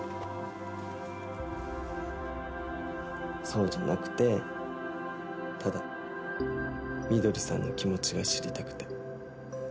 そうじゃなくてただ翠さんの気持ちが知りたくて。